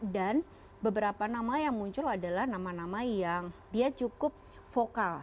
dan beberapa nama yang muncul adalah nama nama yang dia cukup vokal